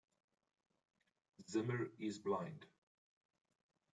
Zimmer is blind.